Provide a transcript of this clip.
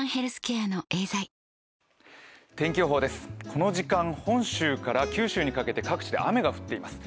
この時間、本州から九州にかけて各地で雨が降っています。